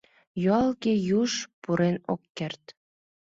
Юалге юж пурен ок керт.